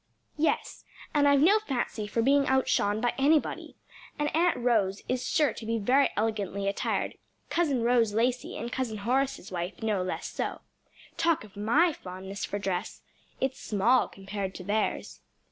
"Yes, and I've no fancy for being outshone by anybody, and Aunt Rose is sure to be very elegantly attired; Cousin Rose Lacey and Cousin Horace's wife no less so. Talk of my fondness for dress! It's small compared to theirs."